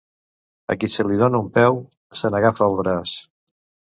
A qui se li dóna un peu, se n'agafa un braç.